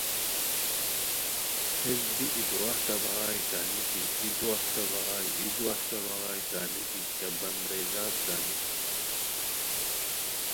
ہیس بی ای دواہتہ بغائے کا نیکی ای دواہتہ بغائے ای دواہتہ بغائے کا نیکی، کیہ بندہی ذات کا نیکی